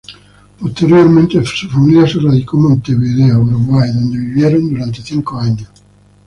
Posteriormente su familia se radicó en Montevideo, Uruguay, donde vivieron durante cinco años.